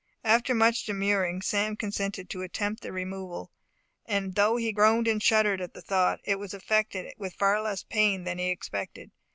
After much demurring, Sam consented to attempt the removal; and though he groaned and shuddered at the thought, it was effected with far less pain than he expected.